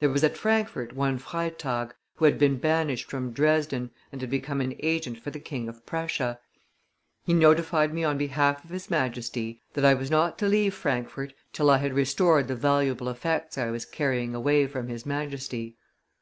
"There was at Frankfort one Freytag, who had been banished from Dresden, and had become an agent for the King of Prussia. ... He notified me on behalf of his Majesty that I was not to leave Frankfort till I had restored the valuable effects I was carrying away from his Majesty.